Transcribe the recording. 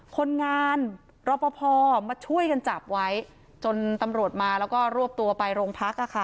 คนงานรอปภมาช่วยกันจับไว้จนตำรวจมาแล้วก็รวบตัวไปโรงพักอ่ะค่ะ